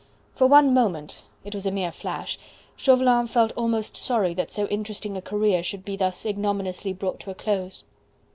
For one moment it was a mere flash Chauvelin felt almost sorry that so interesting a career should be thus ignominiously brought to a close.